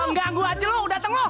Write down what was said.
engganggu aja lo dateng lo